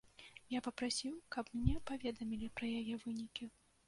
Я папрасіў, каб мне паведамілі пра яе вынікі.